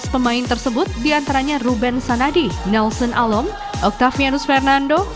empat belas pemain tersebut diantaranya ruben sanadi nelson alom octaviano sfernando